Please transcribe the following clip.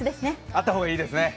あった方がいいです。